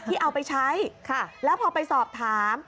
เอาไปใช้แล้วพอไปสอบถาม